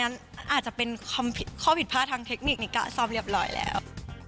อาจจะเป็นข้อผิดพลาดทางเทคนิคในการซ่อมเรียบร้อยแล้ว